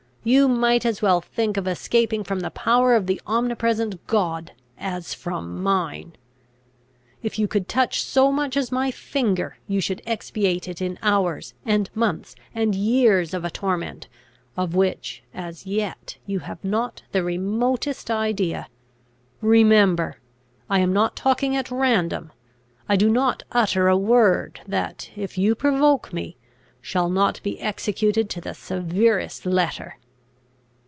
You might as well think of escaping from the power of the omnipresent God, as from mine! If you could touch so much as my finger, you should expiate it in hours and months and years of a torment, of which as yet you have not the remotest idea. Remember! I am not talking at random! I do not utter a word, that, if you provoke me, shall not be executed to the severest letter!"